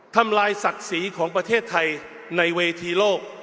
ทำลายศักดิ์ศรีของประเทศไทยในเวทีโลก